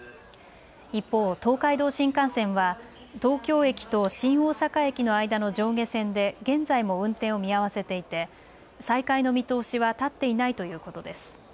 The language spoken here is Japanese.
一方、東海道新幹線は東京駅と新大阪駅の間の上下線で現在も運転を見合わせていて再開の見通しは立っていないということです。